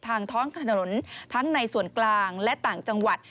ท้องถนนทั้งในส่วนกลางและต่างจังหวัด